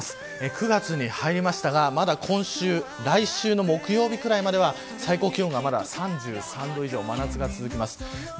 ９月に入りましたがまだ今週、来週の木曜日くらいまでは最高気温が３３度以上真夏が続きます。